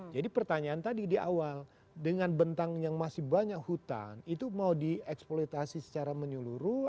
pertanyaan tadi di awal dengan bentang yang masih banyak hutan itu mau dieksploitasi secara menyeluruh